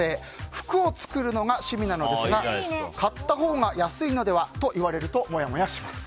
服を作るのが趣味なのですが買ったほうが安いのでは？と言われるとモヤモヤします。